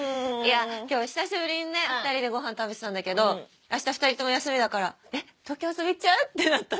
今日久しぶりにね２人でごはん食べてたんだけどあした２人とも休みだから「東京遊び行っちゃう？」ってなったの。